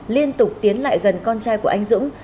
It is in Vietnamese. liên tục tiến lại gần con trai của anh dũng